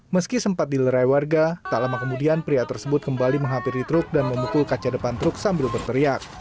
meski sempat dilerai warga tak lama kemudian pria tersebut kembali menghampiri truk dan memukul kaca depan truk sambil berteriak